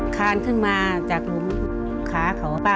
คานขึ้นมาจากหลุมขาเขาป้า